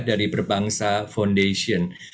dari berbangsa foundation